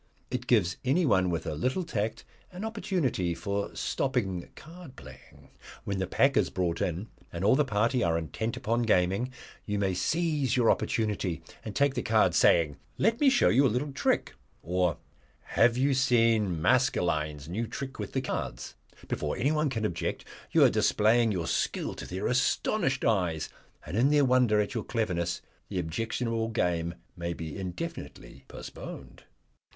It gives anyone with a little tact an opportunity for stopping card playing. When the pack is brought in, and all the party are intent upon gaming, you may seize your opportunity and take the cards, saying, 'Let me show you a little trick,' or, 'Have you seen Maskelyne's new trick with the cards?' Before anyone can object you are displaying your skill to their astonished eyes, and in their wonder at your cleverness the objectionable game may be indefinitely postponed."